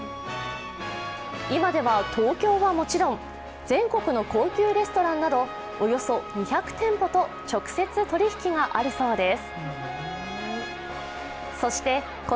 今では、東京はもちろん、全国の高級レストランなどおよそ２００店舗と直接取り引きがあるそうです。